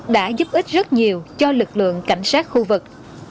đã giúp ích rất nhiều cho lực lượng cảnh sát khu vực